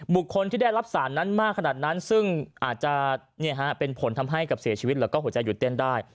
ที่ได้รับสารนั้นมากขนาดนั้นซึ่งอาจจะเป็นผลทำให้กับเสียชีวิตแล้วก็หัวใจหยุดเต้นได้